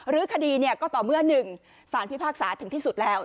รื้อคดีเนี่ยก็ต่อเมื่อหนึ่งสารพิพากษาถึงที่สุดแล้ว